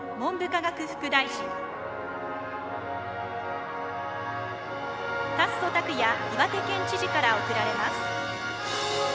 副大臣達増拓也岩手県知事から贈られます。